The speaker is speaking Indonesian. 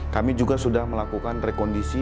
kami juga sudah melakukan rekondisi